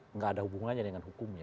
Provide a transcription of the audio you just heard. tidak ada hubungannya dengan hukumnya